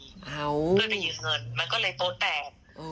เพื่อไปยืมเงินมันก็เลยโต๊ะแตก